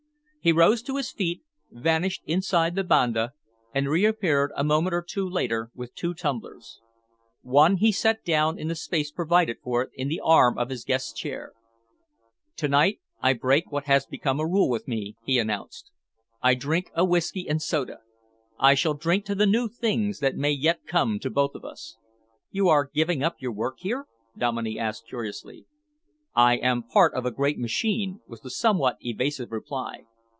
He rose to his feet, vanished inside the banda, and reappeared a moment or two later with two tumblers. One he set down in the space provided for it in the arm of his guest's chair. "To night I break what has become a rule with me," he announced. "I shall drink a whisky and soda. I shall drink to the new things that may yet come to both of us." "You are giving up your work here?" Dominey asked curiously. "I am part of a great machine," was the somewhat evasive reply.